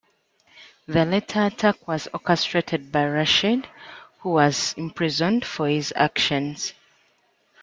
The latter attack was orchestrated by Rashid, who was imprisoned for his actions.